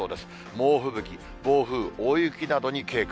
猛吹雪、暴風、大雪などに警戒。